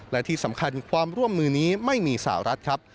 และที่สำคัญความร่วมมือนี้ไม่มีสาวรัฐครับ